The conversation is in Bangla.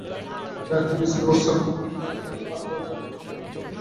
গাড়ি থেকে নিঃসৃত বস্তুকণার মাত্রা গ্রহণযোগ্য মাত্রার চেয়ে সাত গুণ বেশি।